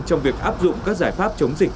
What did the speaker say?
trong việc áp dụng các giải pháp chống dịch